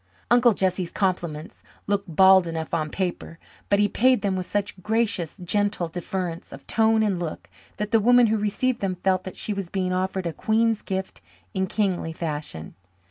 Uncle Jesse's compliments look bald enough on paper, but he paid them with such gracious, gentle deference of tone and look that the woman who received them felt that she was being offered a queen's gift in kingly fashion.